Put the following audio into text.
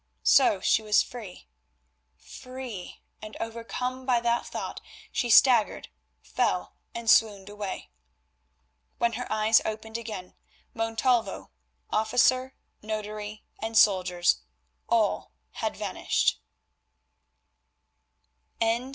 So she was free—free, and overcome by that thought she staggered, fell, and swooned away. When her eyes opened again, Montalvo, officer, notary, and soldiers, all had vanished.